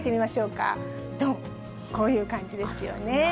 こういう感じですよね。